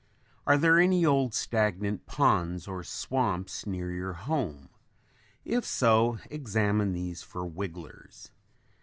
Are there any old stagnant ponds or swamps near your home? If so, examine these for wigglers.